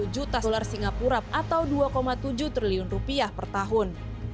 lima ratus empat puluh juta dolar singapura atau dua tujuh triliun rupiah per tahun